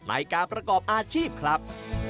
ในการประกอบอาชีพครับ